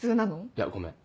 いやごめん。